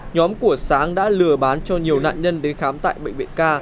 nhóm của sáng đã lừa bán cho nhiều nạn nhân đến khám tại bệnh viện ca